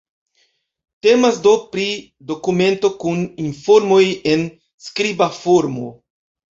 Temas do pri dokumento kun informoj en skriba formo.